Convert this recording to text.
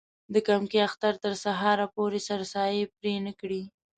د کمکي اختر تر سهاره پورې سرسایې پرې نه کړي.